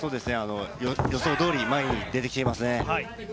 予想どおり前に出てきていますね。